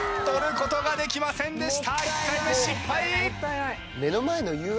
取ることができませんでした。